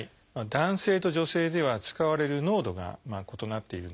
男性と女性では使われる濃度が異なっているんですね。